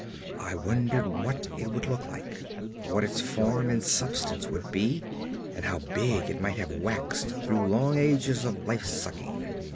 I wondered what it would look like what its form and substance would be, and how big it might have waxed through long ages of life sucking.